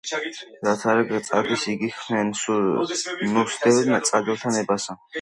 რაც არა გწადდეს იგი ჰქმენ, ნუ სდევ წადილთა ნებასა